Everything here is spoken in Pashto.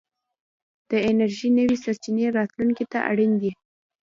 د انرژۍ نوې سرچينې راتلونکي ته اړين دي.